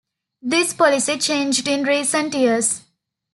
This policy changed in recent years.